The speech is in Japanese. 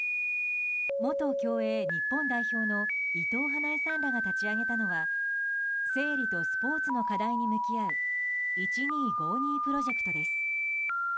元競泳日本代表の伊藤華英さんらが立ち上げたのは生理とスポーツの課題に向き合う１２５２プロジェクトです。